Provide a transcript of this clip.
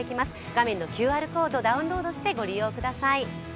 画面のＱＲコードをダウンロードしてご覧ください。